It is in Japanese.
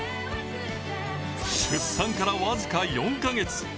出産から僅か４か月。